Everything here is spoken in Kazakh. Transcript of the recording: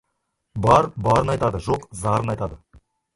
Бар барын айтады, жоқ зарын айтады.